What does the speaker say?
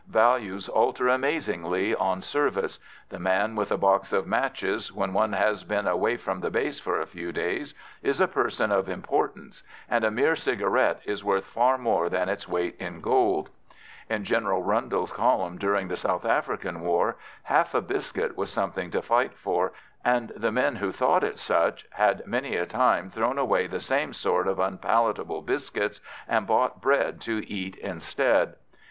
Values alter amazingly on service; the man with a box of matches, when one has been away from the base for a few days, is a person of importance, and a mere cigarette is worth far more than its weight in gold. In General Rundle's column during the South African war, half a biscuit was something to fight for, and the men who thought it such had many a time thrown away the same sort of unpalatable biscuits and bought bread to eat instead.